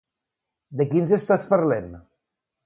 De quins estats parlem?